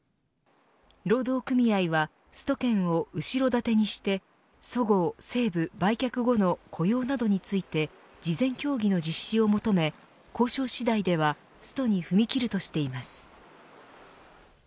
労働組合はスト権を後ろ盾にしてそごう・西武売却後の雇用などについて事前協議の実施を求め交渉次第ではストに踏み切るとしています。